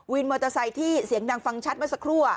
มอเตอร์ไซค์ที่เสียงดังฟังชัดเมื่อสักครู่